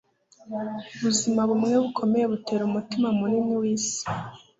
Ubuzima bumwe bukomeye butera umutima munini wisi